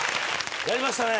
やりましたね